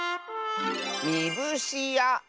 「みぶしあ」！